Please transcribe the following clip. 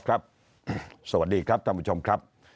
สวัสดีครับท่านผู้ชมครับ